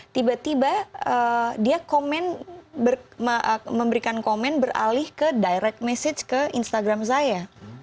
tiba tiba dia komen memberikan komen beralih ke direct message ke instagram saya